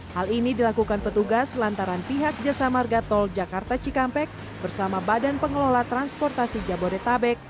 hal ini dilakukan petugas lantaran pihak jasa marga tol jakarta cikampek bersama badan pengelola transportasi jabodetabek